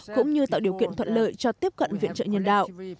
cũng như tạo điều kiện thuận lợi cho tiếp cận viện trợ nhân đạo